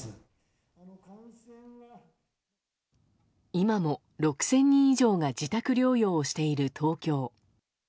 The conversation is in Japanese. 今も６０００人以上が自宅療養をしている東京。